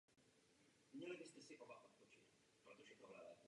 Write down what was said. Obraz se dnes nachází v Tate Britain v Londýně.